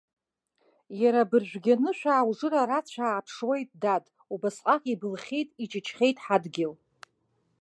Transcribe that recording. Иара абыржәгьы анышә ааужыр арацәа ааԥшуеит, дад, убасҟак ибылхьеит, иҷыҷхьеит ҳадгьыл.